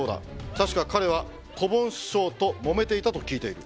確か彼はこぼん師匠ともめていたと聞いている。